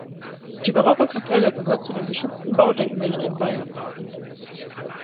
Die barocke Kapelle gehört zu den geschützten Baudenkmälern in Bayern.